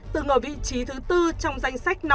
từng ở vị trí thứ bốn trong danh sách